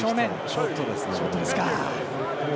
ショットですね。